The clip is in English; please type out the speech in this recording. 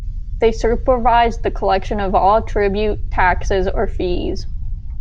They supervised the collection of all tribute, taxes, or fees.